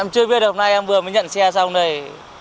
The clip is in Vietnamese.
em chưa biết được hôm nay em vừa mới nhận xe xong đây